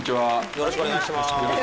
よろしくお願いします。